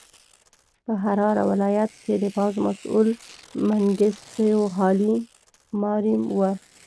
په حراره ولایت کې د پوځ مسوول منګیسټیو هایلي ماریم و.